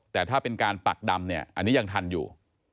แต่ถ้าเป็นการปักดำเนี่ยอันนี้ยังทันอยู่